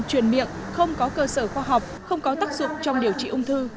số cơ sở khoa học không có tác dụng trong điều trị ung thư